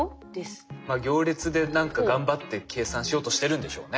行列で何か頑張って計算しようとしてるんでしょうね。